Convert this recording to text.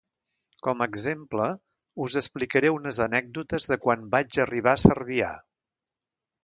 Com a exemple us explicaré unes anècdotes de quan vaig arribar a Cervià.